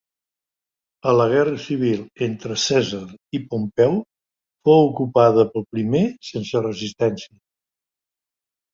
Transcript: A la guerra civil entre Cèsar i Pompeu fou ocupada pel primer sense resistència.